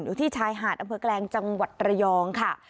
อยู่ที่ชายหาดอำเภอแกลงจังหวัดระยองค่ะ